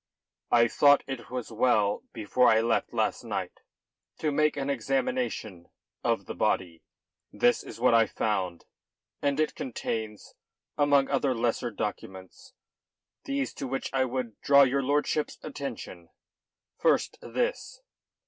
"I thought it as well before I left last night to make an examination of the body. This is what I found, and it contains, among other lesser documents, these to which I would draw your lordship's attention. First this."